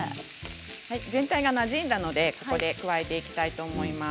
全体でなじんだので加えていきたいと思います。